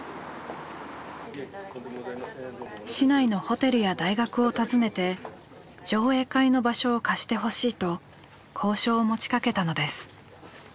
市内のホテルや大学を訪ねて上映会の場所を貸してほしいと交渉を持ちかけたのです。